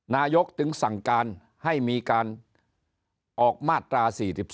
นายกจึงสั่งการให้มีการออกมาตรา๔๒